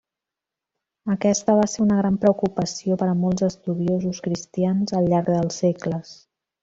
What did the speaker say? Aquesta va ser una gran preocupació per a molts estudiosos cristians al llarg dels segles.